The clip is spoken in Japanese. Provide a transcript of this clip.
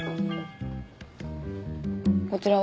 こちらは？